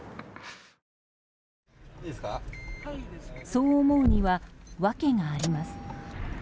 そう思うには訳があります。